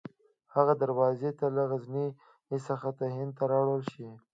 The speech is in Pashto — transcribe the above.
هغه دروازې دې له غزني څخه هند ته راوړل شي.